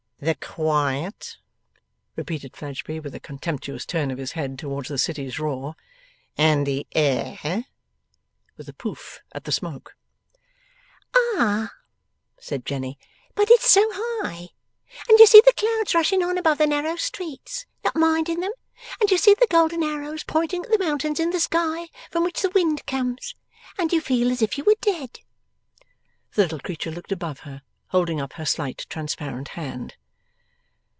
'The quiet!' repeated Fledgeby, with a contemptuous turn of his head towards the City's roar. 'And the air!' with a 'Poof!' at the smoke. 'Ah!' said Jenny. 'But it's so high. And you see the clouds rushing on above the narrow streets, not minding them, and you see the golden arrows pointing at the mountains in the sky from which the wind comes, and you feel as if you were dead.' The little creature looked above her, holding up her slight transparent hand.